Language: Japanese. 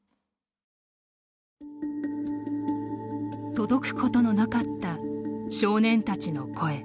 届くことのなかった少年たちの声。